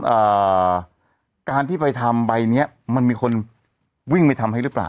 อ่าการที่ไปทำใบเนี้ยมันมีคนวิ่งไปทำให้หรือเปล่า